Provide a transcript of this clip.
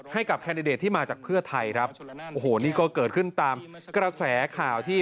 แคนดิเดตที่มาจากเพื่อไทยครับโอ้โหนี่ก็เกิดขึ้นตามกระแสข่าวที่